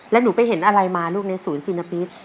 แล้วหนูไปเห็นอะไรมาลูกในศูนย์ซีนพิษ